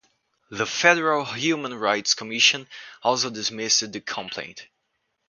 The Federal Human Rights Commission also dismissed the complaint.